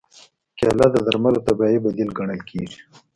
کېله د درملو طبیعي بدیل ګڼل کېږي.